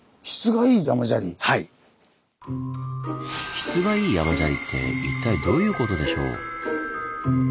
「質が良い山砂利」って一体どういうことでしょう？